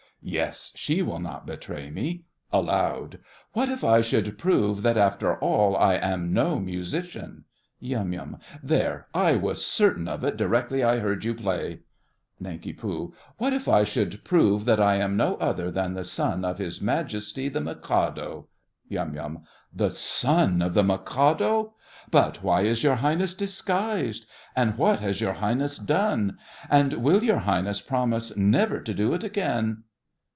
Yes! She will not betray me! (Aloud.) What if it should prove that, after all, I am no musician? YUM. There! I was certain of it, directly I heard you play! NANK. What if it should prove that I am no other than the son of his Majesty the Mikado? YUM. The son of the Mikado! But why is your Highness disguised? And what has your Highness done? And will your Highness promise never to do it again?